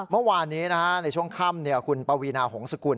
เมื่อวานนี้ในช่วงค่ำคุณปวีนาหงษกุล